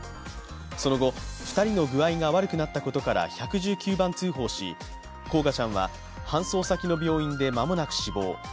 その後、２人の具合が悪くなったことから１１９番通報し煌翔ちゃんは搬送先の病院で間もなく死亡。